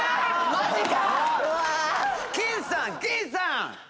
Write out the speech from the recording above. マジか。